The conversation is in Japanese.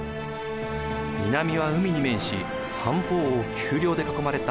南は海に面し三方を丘陵で囲まれた